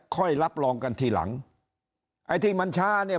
รับรองกันทีหลังไอ้ที่มันช้าเนี่ย